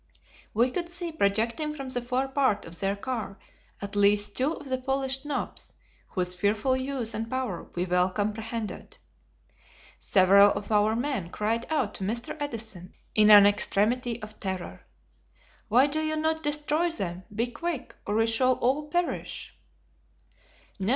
We could see projecting from the fore part of their car at least two of the polished knobs, whose fearful use and power we well comprehended. Several of our men cried out to Mr. Edison in an extremity of terror: "Why do you not destroy them? Be quick, or we shall all perish."